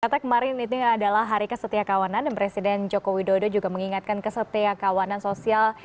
kata kemarin itu adalah hari kesetiakawanan dan presiden joko widodo juga mengingatkan kesetia kawanan sosial